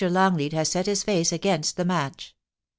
Longleat has set his face against the match.